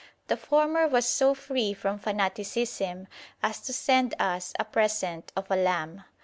The former was so free from fanaticism as to send us a present of a lamb.